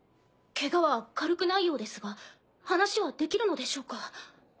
ケガは軽くないようですが話はできるのでしょうか？